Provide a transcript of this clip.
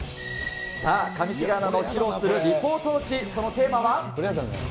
さあ、上重アナの披露するリポート落ち、そのテーマは。